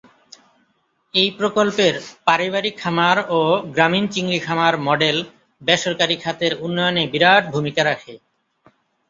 এই প্রকল্পের "পারিবারিক খামার" ও "গ্রামীণ চিংড়ি খামার" মডেল বেসরকারি খাতের উন্নয়নে বিরাট ভূমিকা রাখে।